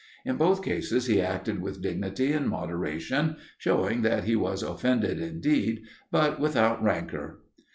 In both cases he acted with dignity and moderation, shewing that he was offended indeed, but without rancour.